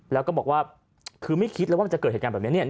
แล้วก็บอกว่าคือไม่คิดเลยว่ามันจะเกิดเหตุการณ์แบบนี้เนี่ย